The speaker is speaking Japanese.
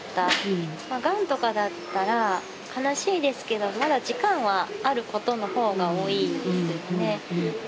まあガンとかだったら悲しいですけどまだ時間はあることのほうが多いんですよね。